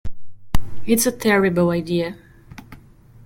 It's a terrible idea.